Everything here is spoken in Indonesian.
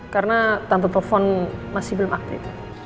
karena tante telepon masih belum aktif